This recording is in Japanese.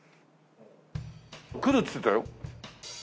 来るって言ってたよ。